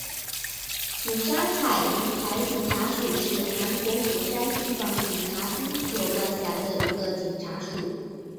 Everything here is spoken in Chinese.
釜山海云台警察署是韩国釜山地方警察厅所管辖的一个警察署。